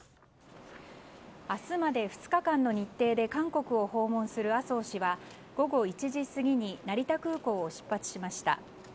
明日まで２日間の日程で韓国を訪問する麻生氏は、午後１時過ぎに成田空港を出発しました。